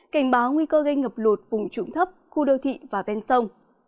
cảnh báo nguy cơ gây ngập lụt vùng trụng thấp khu đô thị và ven sông